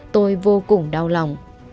tôi vô cùng đau lòng